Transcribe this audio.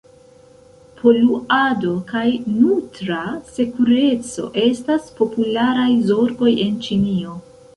Poluado kaj nutra sekureco estas popularaj zorgoj en Ĉinio.